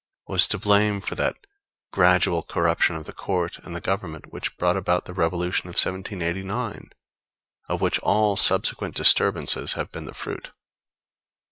was to blame for that gradual corruption of the Court and the Government, which brought about the Revolution of 1789, of which all subsequent disturbances have been the fruit?